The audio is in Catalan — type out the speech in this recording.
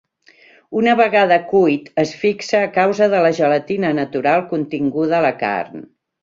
Una vegada cuit, es fixa a causa de la gelatina natural continguda a la carn.